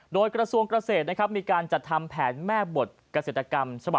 โดยกระทรวงเกษตรนะครับมีการจัดทำแผนแม่บทเกษตรกรรม